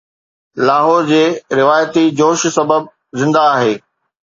لاهور جي روايتي جوش سبب زنده آهي